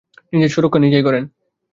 নিজের সুরক্ষা নিজেই করেন।